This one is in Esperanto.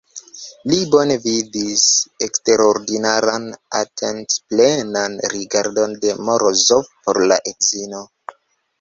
Li bone vidis eksterordinaran, atentplenan rigardon de Morozov por la edzino.